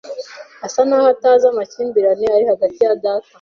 Asa naho atazi amakimbirane ari hagati ya data.